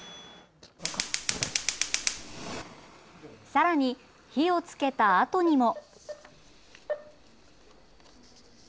さらに火をつけたあとにも。